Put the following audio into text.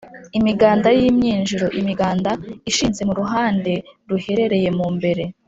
imiganda y’imyinjiro: imiganda ishinz mu ruhande ruherera mu mbere